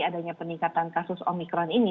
adanya peningkatan kasus omikron ini